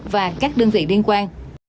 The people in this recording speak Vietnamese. và các đơn vị liên quan